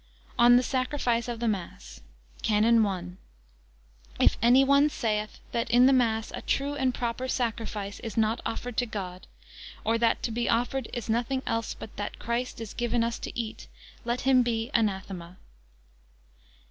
ON THE SACRIFICE OF THE MASS. CANON I. If any one saith, that in the mass a true and proper sacriflce is not offered to God; or, that to be offered is nothing else but that Christ is given us to eat; let him be anathema.